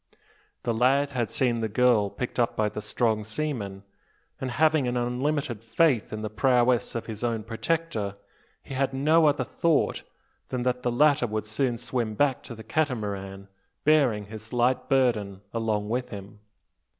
The lad had seen the girl picked up by the strong seaman; and, having an unlimited faith in the prowess of his own protector, he had no other thought than that the latter would soon swim back to the Catamaran, bearing his light burden along with him.